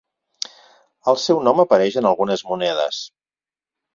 El seu nom apareix en algunes monedes.